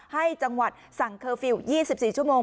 ให้จังหวัดสั่งเคอร์ฟิลล์๒๔ชั่วโมง